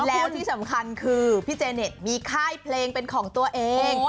แล้วที่สำคัญคือพี่เจเน็ตมีค่ายเพลงเป็นของตัวเอง